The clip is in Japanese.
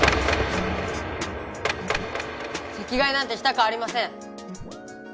席替えなんてしたくありません！